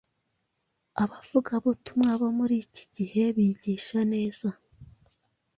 abavugabutumwa bo muri iki gihe bigisha neza.